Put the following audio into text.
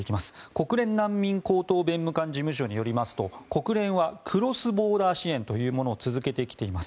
国連難民高等弁務官事務所によりますと国連はクロスボーダー支援というものを続けてきています。